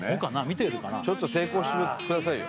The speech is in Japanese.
見てるかなちょっと成功してくださいよ